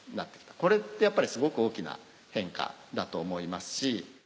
これってすごく大きな変化だと思いますし。